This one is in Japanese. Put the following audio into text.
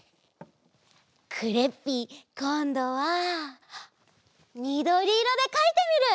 クレッピーこんどはみどりいろでかいてみる！